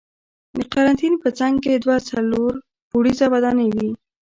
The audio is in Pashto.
د قرنتین په څنګ کې دوه څلور پوړیزه ودانۍ وې.